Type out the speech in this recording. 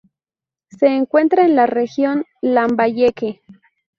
Se encuentra en la región Lambayeque.